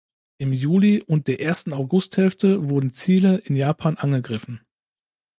Im Juli und der ersten Augusthälfte wurden Ziele in Japan angegriffen.